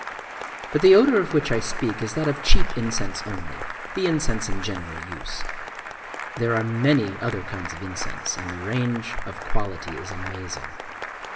But the odor of which I speak is that of cheap incense only,—the incense in general use. There are many other kinds of incense; and the range of quality is amazing.